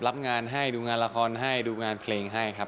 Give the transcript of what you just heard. รับงานให้ดูงานละครให้ดูงานเพลงให้ครับ